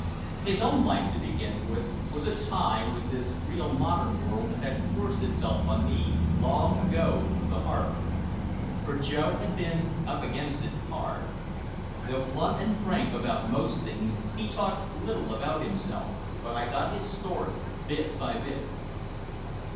His own life, to begin with, was a tie with this real modern world that had forced itself on me long ago through the harbor. For Joe had been "up against it" hard. Though blunt and frank about most things he talked little about himself, but I got his story bit by bit.